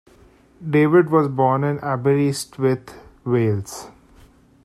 David was born in Aberystwyth, Wales.